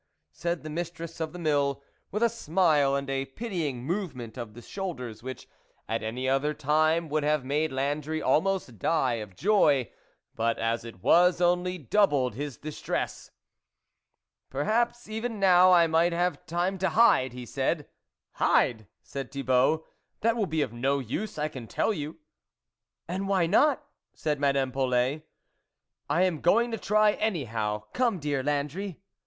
" said the mistress of the mill, with a smile and a pitying movement of the shoulders, which, at any other time, would have made Landry almost die of joy, but, as it was, only doubled his dis tress. " Perhaps even now I might have time to hide," he said. " Hide !" said Thibault, " that will be of no use, I can tell you." " And why not ?" said Madame Polet, " I am going to try, anyhow. Come, dear Landry."